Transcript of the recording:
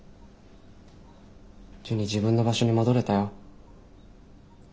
ジュニ自分の場所に戻れたよ。